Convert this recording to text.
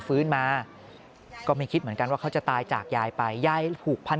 ฟื้นมาก็ไม่คิดเหมือนกันว่าเขาจะตายจากยายไปยายผูกพัน